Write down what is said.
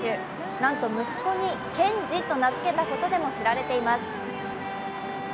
なんと息子に健志と名付けたことでも知られています。